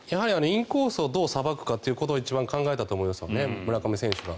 インコースをどうさばくかということを一番考えたと思います村上選手は。